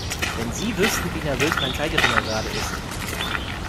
Wenn Sie wüssten, wie nervös mein Zeigefinger gerade ist!